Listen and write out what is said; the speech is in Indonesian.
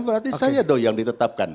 berarti saya dong yang ditetapkan